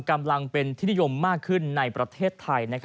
กำลังเป็นที่นิยมมากขึ้นในประเทศไทย